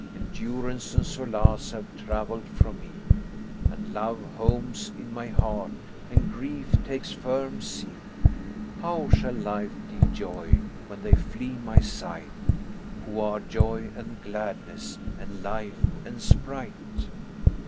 Endurance and solace have travelled from me, * And love homes in my heart and grief takes firm seat: How shall life deal joy when they flee my sight * Who are joy and gladness and life and sprite?"